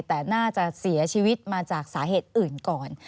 แต่น่าจะเสียชีวิตมาจากสาเหตุอื่นก่อน